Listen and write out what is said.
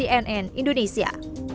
tim liputan cnn indonesia